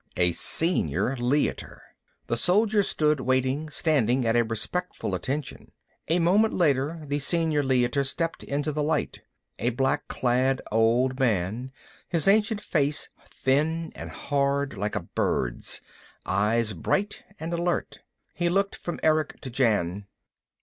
"A Senior Leiter." The soldiers stood waiting, standing at a respectful attention. A moment later the Senior Leiter stepped into the light, a black clad old man, his ancient face thin and hard, like a bird's, eyes bright and alert. He looked from Erick to Jan.